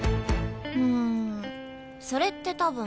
うんそれって多分。